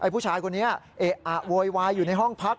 ผู้ชายคนนี้เอะอะโวยวายอยู่ในห้องพัก